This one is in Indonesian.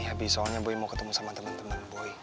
iya bi soalnya boy mau ketemu sama temen temen boy